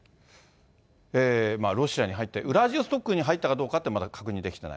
ロシアに入って、ウラジオストクに入ったかどうかって、まだ確認できていない。